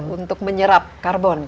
untuk menyerap karbon